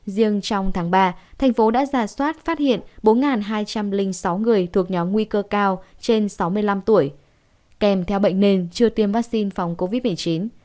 riêng trong tháng ba thành phố đã giả soát phát hiện bốn hai trăm linh sáu người thuộc nhóm nguy cơ cao trên sáu mươi năm tuổi kèm theo bệnh nền chưa tiêm vaccine phòng covid một mươi chín